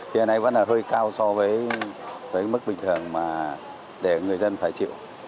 thì hôm nay vẫn là hơi cao so với mức bình thường mà để người dân phải chịu